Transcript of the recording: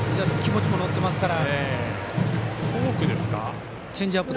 持ちも乗ってますから。